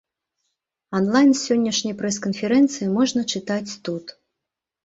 Анлайн з сённяшняй прэс-канферэнцыі можна чытаць тут.